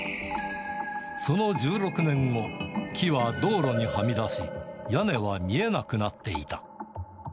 その１６年後、木は道路にはみ出し、屋根は見えなくなっていた。